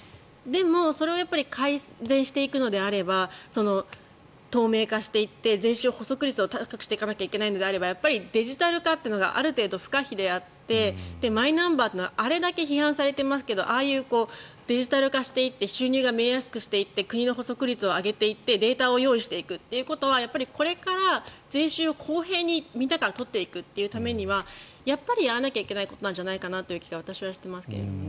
それも改善してくのであれば透明化していって税収捕捉率を高くしないといけないのであればデジタル化っていうのがある程度、不可避であってマイナンバーというのはあれだけ批判されていますがああいうデジタル化していって収入が見えやすくなって国の捕捉率を上げていってデータを用意していくっていうことはこれから税収を公平に取っていくためにはやっぱりやらなきゃいけないことなんじゃないかという気がしていますけどね。